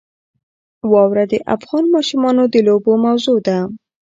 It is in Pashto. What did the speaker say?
واوره د افغان ماشومانو د لوبو موضوع ده.